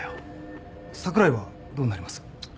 櫻井はどうなります？